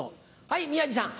はい宮治さん。